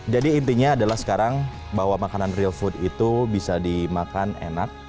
jadi intinya adalah sekarang bahwa makanan real food itu bisa dimakan enak